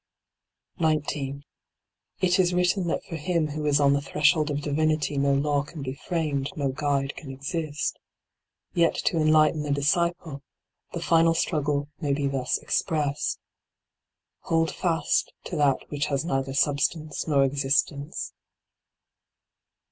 19. It is written that for him who is on the threshold of divinity no law can be framed, no guide can exist. Yet to enlighten the disciple, the final struggle may be thus ex pressed : Hold fast to that which has neither sub stance nor existence.